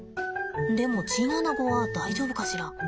でもチンアナゴは大丈夫かしら？